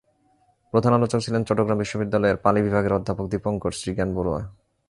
প্রধান আলোচক ছিলেন চট্টগ্রাম বিশ্ববিদ্যালয়ের পালি বিভাগের অধ্যাপক দীপঙ্কর শ্রীজ্ঞান বড়ুয়া।